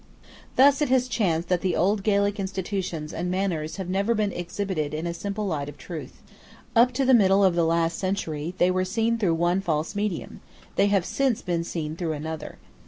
Thus it has chanced that the old Gaelic institutions and manners have never been exhibited in the simple light of truth. Up to the middle of the last century, they were seen through one false medium: they have since been seen through another.